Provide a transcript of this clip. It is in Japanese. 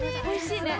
おいしい！